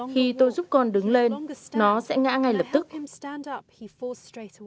khi tôi giúp con đứng lên nó sẽ ngã ngay lập tức